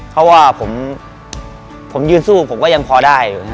เพราะว่าผมยืนสู้ผมก็ยังพอได้อยู่